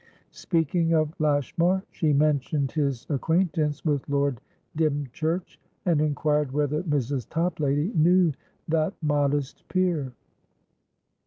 Speaking of Lashmar, she mentioned his acquaintance with Lord Dymchurch, and inquired whether Mrs. Toplady knew that modest peer.